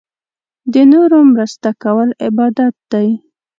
د نورو مرسته کول عبادت دی.